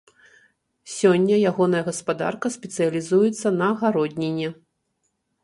Сёння ягоная гаспадарка спецыялізуецца на гародніне.